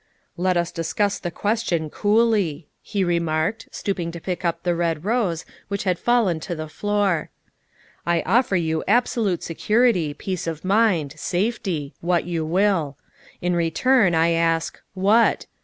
" Let us discuss the question coolly," he remarked, stooping to pick up the red rose, which had fallen to the floor. " I offer you absolute security, peace of mind, safety what you will. In return I ask what